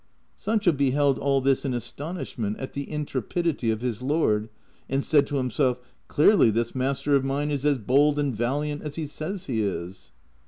Sancho beheld all this in astonishment at the intrepidity of his lord, and said to himself, " Clearly this master of mine is as bold and valiant as he says he is."